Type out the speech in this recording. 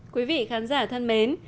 quý vị khán giả thân mến